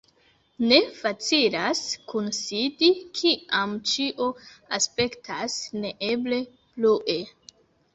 Ne facilas kunsidi, kiam ĉio aspektas neeble blue.